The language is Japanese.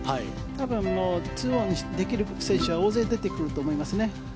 多分、２オンできる選手が大勢出てくると思いますね。